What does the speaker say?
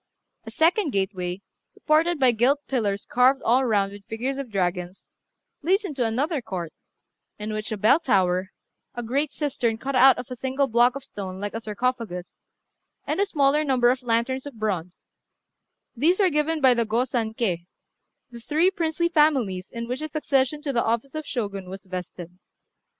A second gateway, supported by gilt pillars carved all round with figures of dragons, leads into another court, in which are a bell tower, a great cistern cut out of a single block of stone like a sarcophagus, and a smaller number of lanterns of bronze; these are given by the Go San Ké, the three princely families in which the succession to the office of Shogun was vested.